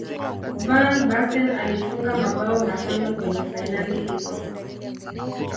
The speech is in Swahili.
van basten alifunga mabao matano kwenye fainali hizo